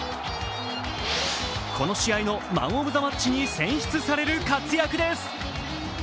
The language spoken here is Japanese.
この試合のマン・オブ・ザ・マッチに選出される活躍です。